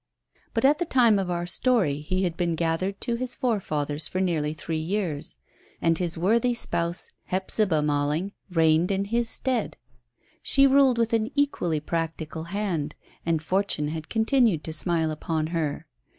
But at the time of our story he had been gathered to his forefathers for nearly three years, and his worthy spouse, Hephzibah Malling, reigned in his stead. She ruled with an equally practical hand, and fortune had continued to smile upon her.